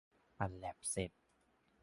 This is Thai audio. ปั่นแล็บเสร็จ